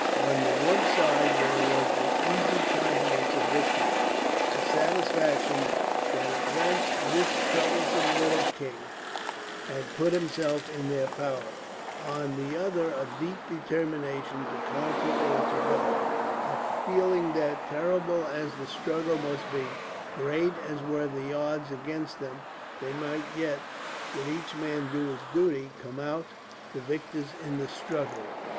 On the one side there was the easy confidence of victory, the satisfaction that at length this troublesome little king had put himself in their power; on the other a deep determination to conquer or to die, a feeling that, terrible as the struggle must be, great as were the odds against them, they might yet, did each man do his duty, come out the victors in the struggle.